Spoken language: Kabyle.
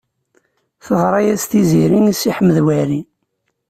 Teɣṛa-yas Tiziri i Si Ḥmed Waɛli.